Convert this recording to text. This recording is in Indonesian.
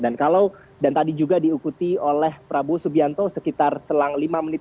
dan tadi juga diikuti oleh prabowo subianto sekitar selang lima menit